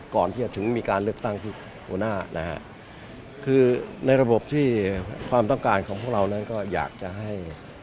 ก่อนที่จะถึงมีการเลือกตั้งที่หัวหน้านะฮะคือในระบบที่ความต้องการของพวกเรานั้นก็อยากจะให้